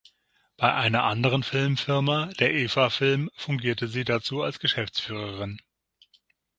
Bei einer anderen Filmfirma, der Eva-Film, fungierte sie dazu als Geschäftsführerin.